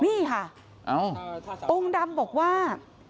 นี่ค่ะองค์ดำบอกว่า